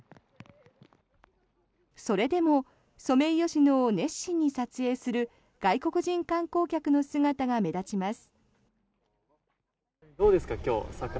それでもソメイヨシノを熱心に撮影する外国人観光客の姿が目立ちます。